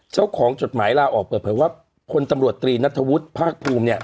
เจ้าของจดหมายลาออกเปิดเผยว่าคนตำรวจตรีณัฐวุฒิพระครูมเนี้ย